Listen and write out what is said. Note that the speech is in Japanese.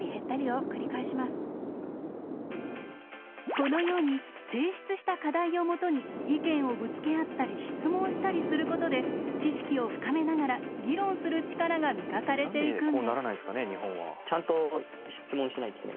このように提出した課題をもとに意見をぶつけ合ったり質問したりすることで知識を深めながら議論する力が磨かれていくんです。